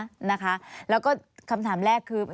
มีความรู้สึกว่ามีความรู้สึกว่า